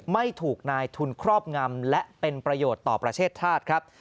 ไม่ถูกนายทุนครอบงำและเป็นประโยชน์ต่อประเทศธาตุครับ